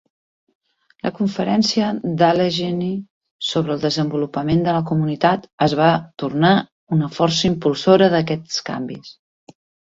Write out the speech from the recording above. La Conferència Allegheny sobre el Desenvolupament de la Comunitat es va tornar una força impulsora d'aquests canvis.